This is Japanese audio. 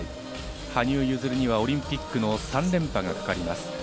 羽生結弦にはオリンピックの３連覇がかかります。